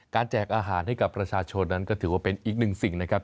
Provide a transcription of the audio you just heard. แจกอาหารให้กับประชาชนนั้นก็ถือว่าเป็นอีกหนึ่งสิ่งนะครับ